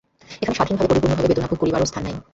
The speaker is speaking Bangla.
এখানে স্বাধীনভাবে পরিপূর্ণরূপে বেদনাভোগ করিবারও স্থান নাই।